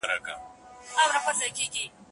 له قصرونو د نمرود به پورته ږغ د واویلا سي